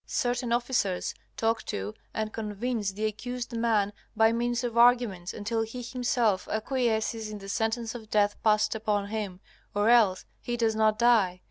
Certain officers talk to and convince the accused man by means of arguments until he himself acquiesces in the sentence of death passed upon him, or else he does not die.